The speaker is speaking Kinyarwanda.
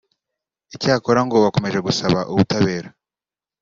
icyakora ngo bakomeje gusaba ubutabera